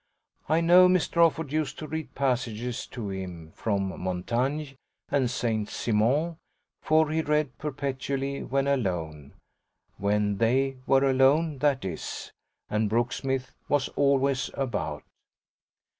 I know Mr. Offord used to read passages to him from Montaigne and Saint Simon, for he read perpetually when alone when THEY were alone, that is and Brooksmith was always about.